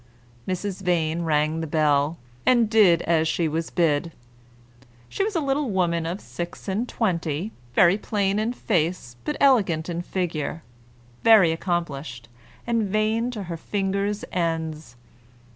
Mrs. Vane rang the bell, and did as she was bid. She was a little woman of six and twenty, very plain in face, but elegant in figure, very accomplished, and vain to her fingers' ends.